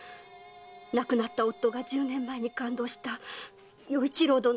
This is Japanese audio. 亡くなった夫が十年前に勘当した与一郎殿によく似ています！